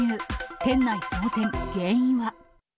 店内騒然、原因は？